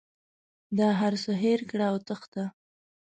د هر څه هېر کړه او وتښته.